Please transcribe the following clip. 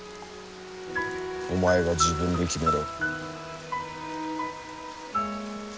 お前が自分で決めろ。